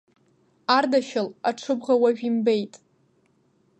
Ардашьыл аҽыбӷа уажә имбеит!